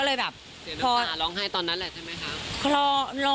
เสียงน้ำสารร้องไห้ตอนนั้นแหละใช่ไหมครับ